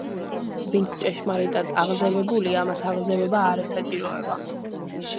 ვინც ჭეშმარიტად აღზევებულია, მას აღზევება არ ესაჭიროება.